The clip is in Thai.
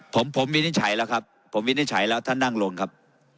ผมผมวินิจฉัยแล้วครับผมวินิจฉัยแล้วท่านนั่งลงครับ